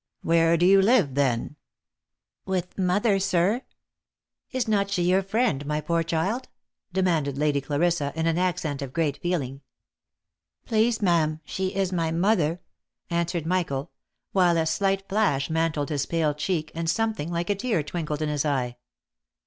" Where do you live then ?"" With mother, sir." " Is not she your friend, my poor child ?" demanded Lady Clarissa in an accent of great feeling. " Please ma'am, she is my mother," answered Michael, while a slight flash mantled his pale cheek, and something like a tear twinkled in his eye.